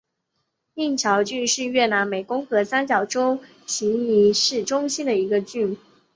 宁桥郡是越南湄公河三角洲芹苴市中心的一个郡。